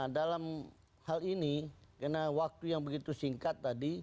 dalam hal ini karena waktu yang begitu singkat tadi